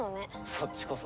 そっちこそ。